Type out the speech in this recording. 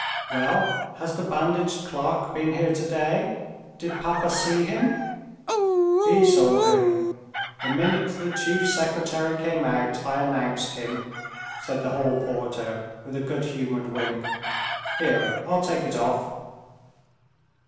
"Well, has the bandaged clerk been here today? Did papa see him?" "He saw him. The minute the chief secretary came out, I announced him," said the hall porter with a good humored wink. "Here, I'll take it off."